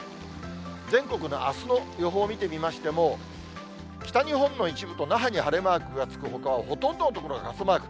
全国のあすの予報を見てみましても、北日本の一部と那覇に晴れマークがつくほかは、ほとんどの所が傘マーク。